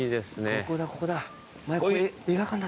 ここだここだ。